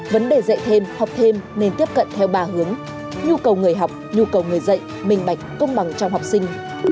vấn đề dạy thêm học thêm nên tiếp cận theo ba hướng nhu cầu người học nhu cầu người dạy minh bạch công bằng trong học sinh